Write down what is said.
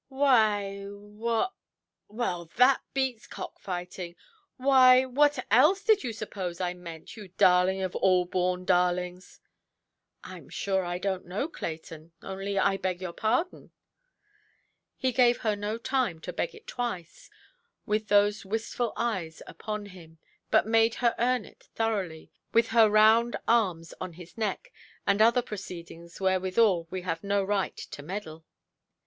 "Why, what—well, that beats cockfighting!—why, what else did you suppose I meant, you darling of all born darlings"? "I am sure I donʼt know, Clayton. Only I beg your pardon". He gave her no time to beg it twice, with those wistful eyes upon him, but made her earn it thoroughly, with her round arms on his neck, and other proceedings wherewithal we have no right to meddle.